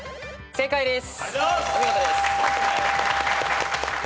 正解です。